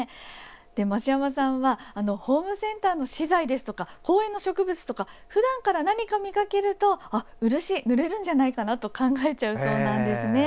増山さんはホームセンターの資材ですとか公園の植物とかふだんから何か見かけると漆塗れるんじゃないかなと考えちゃうそうです。